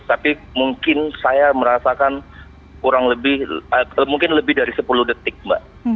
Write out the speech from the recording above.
tapi mungkin saya merasakan kurang lebih mungkin lebih dari sepuluh detik mbak